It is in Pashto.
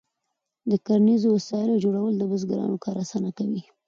د کرنیزو وسایلو جوړول د بزګرانو کار اسانه کوي.